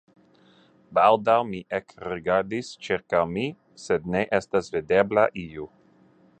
Baldaŭ mi ekrigardis ĉirkaŭ mi, sed ne estas videbla iu.